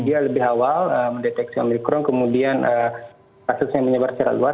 jadi dia lebih awal mendeteksi omicron kemudian kasusnya menyebar secara luas